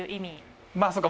まあそっか。